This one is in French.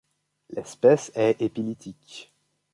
L'espèce est épilithique.